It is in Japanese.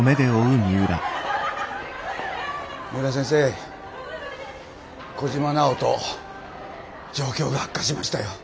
三浦先生小嶋尚人状況が悪化しましたよ。